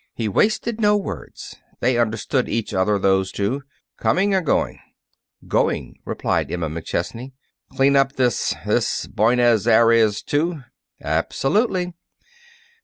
He wasted no words. They understood each other, those two. "Coming or going?" "Going," replied Emma McChesney. "Clean up this this Bonez Areez, too?" "Absolutely."